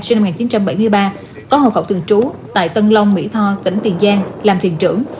sinh năm một nghìn chín trăm bảy mươi ba có hậu khẩu thường trú tại tân long mỹ tho tỉnh tiền giang làm thuyền trưởng